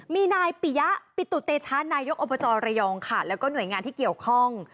มีนายปิยะปิตุเตชะนายกอบจระยองค่ะแล้วก็หน่วยงานที่เกี่ยวข้อง